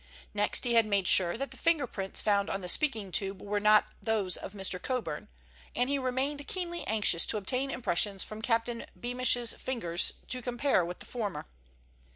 Next he had made sure that the finger prints found on the speaking tube were not those of Mr. Coburn, and he remained keenly anxious to obtain impressions from Captain Beamish's fingers to compare with the former.